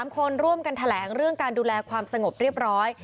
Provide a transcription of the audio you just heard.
๓คนร่วมกันแถลงเรื่องการดูแลความสงบเรียบร้อย